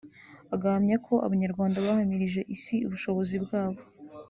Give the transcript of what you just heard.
agahamya ko Abanyarwanda bahamirije Isi ubushobozi bwabo